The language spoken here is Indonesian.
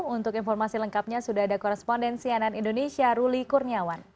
untuk informasi lengkapnya sudah ada koresponden cnn indonesia ruli kurniawan